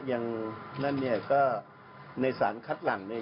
อย่างนั้นเนี่ยก็ในสารคัดหลังเนี่ย